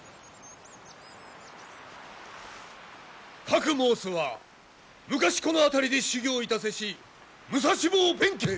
かく申すは昔この辺りで修行いたせし武蔵坊弁慶。